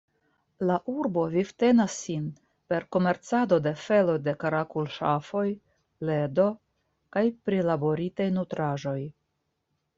La urbo vivtenas sin per komercado de feloj de karakul-ŝafoj, ledo kaj prilaboritaj nutraĵoj.